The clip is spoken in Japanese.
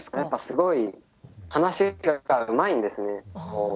やっぱすごい話がうまいんですね。